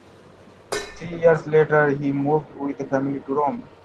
Three years later, he moved with his family to Rome.